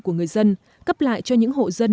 của người dân cấp lại cho những hộ dân